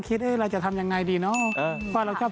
กลายมาเป็นหุ่นจริง